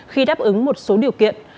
khi đáp ứng một số điều kiện